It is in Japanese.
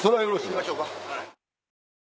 行きましょか。